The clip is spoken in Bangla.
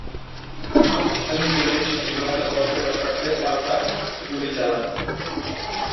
পাকিস্তানি পুলিশ শ্রীলঙ্কা দলকে রক্ষার্থে পাল্টা গুলি চালায়।